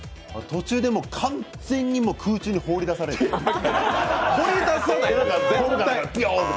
途中で完全に空中に放り出される。